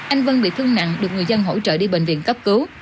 anh vân bị thương nặng được người dân hỗ trợ đi bệnh viện cấp cứu